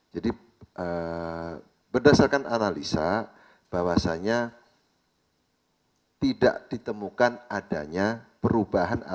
jadi berdasarkan analisa bahwasannya tidak ditemukan adanya perubahan analisa